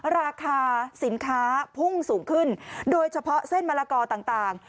ราคาสินค้าพุ่งสูงขึ้นโดยเฉพาะเส้นมะละกอต่าง